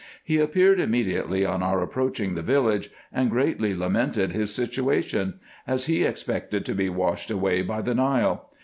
He appeared immediately on our approaching the village, and greatly lamented his situation, as he expected to be washed away by the Nile.